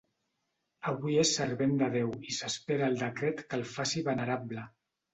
Avui és Servent de Déu i s'espera el decret que el faci venerable.